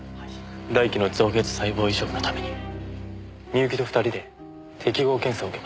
大輝の造血細胞移植のために深雪と２人で適合検査を受けました。